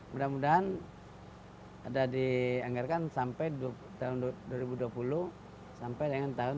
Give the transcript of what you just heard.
mudah mudahan ada dianggarkan sampai tahun dua ribu dua puluh sampai dengan tahun dua ribu dua puluh